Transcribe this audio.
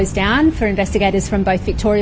untuk penyelidikan dari sekitar victoria